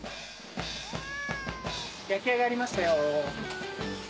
焼き上がりましたよ。